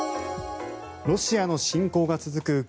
ロシアの侵攻が続く